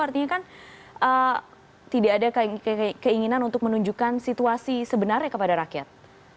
artinya kan tidak ada keinginan untuk menunjukkan situasi sebenarnya kepada rakyat